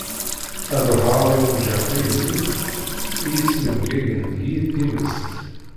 Ad ruḥeγ ad awen-ğğeγ taγzut i yesmengagen deg-i timest.